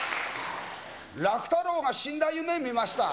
楽太郎が死んだ夢を見ました。